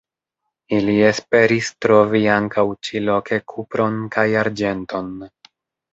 Ili esperis trovi ankaŭ ĉi-loke kupron kaj arĝenton.